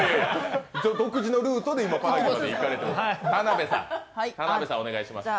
独自のルートでパナキに行かれています。